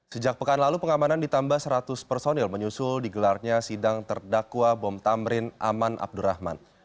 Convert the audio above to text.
sejak pekan lalu pengamanan ditambah seratus personil menyusul digelarnya sidang terdakwa bom tamrin aman abdurrahman